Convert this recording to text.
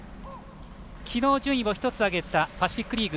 昨日順位を１つ上げたパシフィック・リーグ